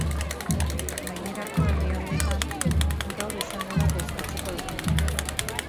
Gainerako herrialdeetan, gaur izango da bozkatzeko eguna.